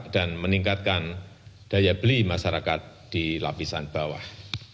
dan meningkatkan daya beli masyarakat di lapisan bawah